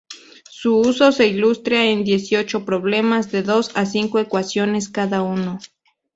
Su uso se ilustra en dieciocho problemas, de dos a cinco ecuaciones cada uno.